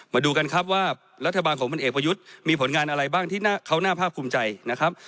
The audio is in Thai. มาดูกันครับว่ารัฐบาลของพลเอกประยุทธ์มีผลงานอะไรบ้างที่เขาน่าภาพภูมิใจนะครับ